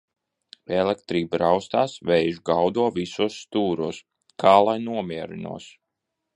Elektrība raustās, vējš gaudo visos stūros. Kā lai nomierinos?